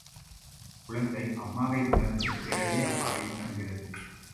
குழந்தை அம்மாவை உணர்ந்து, பிறகே அப்பாவை உணர்கிறது.